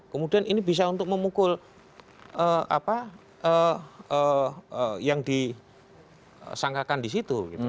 kemudian ini bisa untuk memukul yang disangkakan disitu